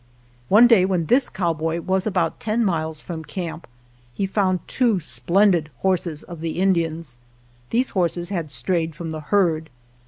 One day when this cowboy was about ten miles from camp, he found two splendid horses of the Indians. These horses had strayed from the herd.